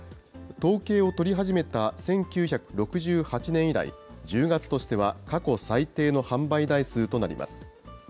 統計を取り始めた１９６８年以来、１０月としては過去最低の販売台数となります。